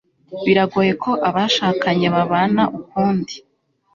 biragoye ko abashakanye babana ukundi